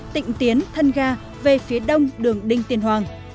tịnh tiến thân ga về phía đông đường đinh tiên hoàng